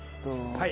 はい。